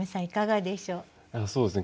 いかがでしょう？